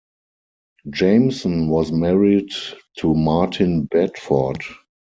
Jameson was married to Martin Bedford.